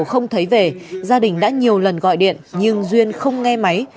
sau khi cháu thấy về gia đình đã nhiều lần gọi điện nhưng duyên không nghe máy